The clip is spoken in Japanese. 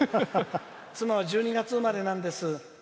妻は１２月生まれなんです」。